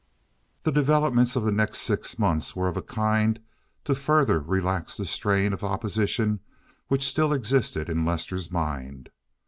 The developments of the next six months were of a kind to further relax the strain of opposition which still existed in Lester's mind.